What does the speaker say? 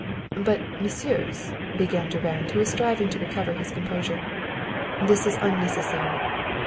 "But, Messieurs," began Durand, who was striving to recover his composure "this is unnecessary.